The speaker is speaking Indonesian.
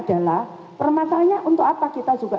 adalah permasalahnya untuk apa kita